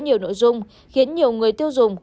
nhiều nội dung khiến nhiều người tiêu dùng